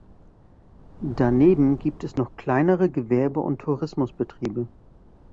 Daneben gibt es noch kleinere Gewerbe- und Tourismusbetriebe.